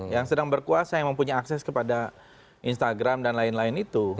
yang sedang berkuasa yang mempunyai akses kepada instagram dan lain lain itu